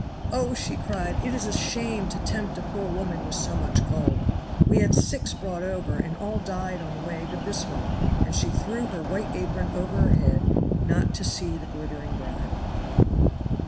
"Oh!" she cried, "it is a shame to tempt a poor woman with so much gold. We had six brought over, and all died on the way but this one!" and she threw her white apron over her head, not to see the glittering bribe.